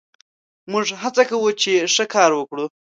موږ هڅه کوو، چې ښه کار وکړو.